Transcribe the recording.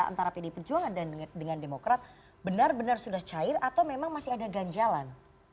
antara pdi perjuangan dengan demokrat benar benar sudah cair atau memang masih ada ganjalan